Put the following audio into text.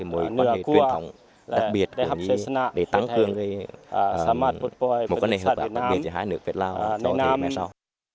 một quan hệ truyền thống đặc biệt để tăng cường một quan hệ hợp ảnh đặc biệt giữa hai nước việt lào cho thế giới mai sau